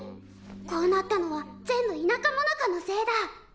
こうなったのは全部田舎もなかのせいだ！